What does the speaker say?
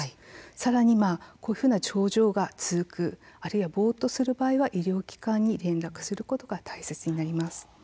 さらにこういうふうな症状が続くあるいはぼうっとする場合は医療機関に連絡することが大切になります。